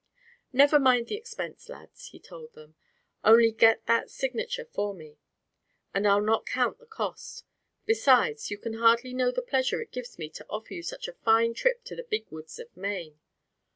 "Never mind the expense, lads," he told them; "only get that signature for me, and I'll not count the cost. Besides, you can hardly know the pleasure it gives me to offer you such a fine trip into the Big Woods of Maine.